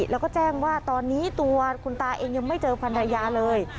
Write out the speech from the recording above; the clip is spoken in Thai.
แล้วก็แจ้งว่าตอนนี้ตัวคุณตาเองยังไม่เจอภรรยาเลย